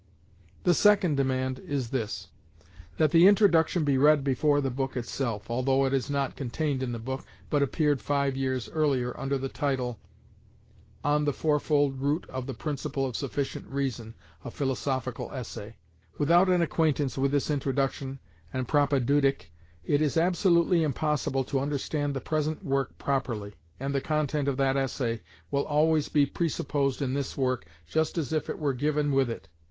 The second demand is this, that the introduction be read before the book itself, although it is not contained in the book, but appeared five years earlier under the title, "Ueber die vierfache Wurzel des Satzes vom zureichenden Grunde: eine philosophische Abhandlung" (On the fourfold root of the principle of sufficient reason: a philosophical essay). Without an acquaintance with this introduction and propadeutic it is absolutely impossible to understand the present work properly, and the content of that essay will always be presupposed in this work just as if it were given with it.